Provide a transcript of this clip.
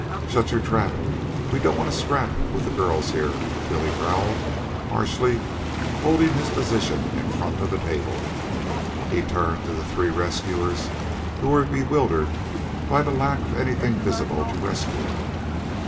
"Shut your trap we don't want a scrap with the girls here," Billy growled harshly, holding his position in front of the table. He turned to the three rescuers, who were bewildered by the lack of anything visible to rescue.